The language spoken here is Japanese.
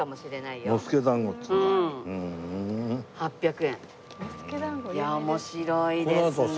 いや面白いですね。